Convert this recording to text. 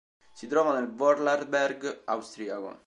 Si trova nel Vorarlberg austriaco.